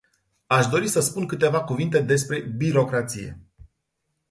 Aș dori să spun câteva cuvinte despre birocrație.